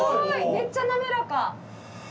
めっちゃ滑らか。